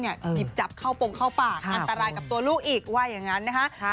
หยิบจับเข้าปงเข้าปากอันตรายกับตัวลูกอีกว่าอย่างนั้นนะคะ